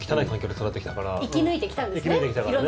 生き抜いてきたんですね